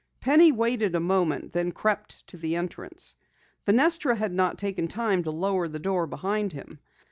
Penny waited a moment, then crept to the entrance. Fenestra had not taken time to lower the door behind him.